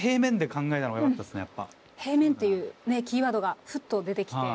平面っていうねキーワードがふっと出てきて。